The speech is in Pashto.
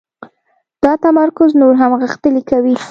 دا تمرکز نور هم غښتلی کوي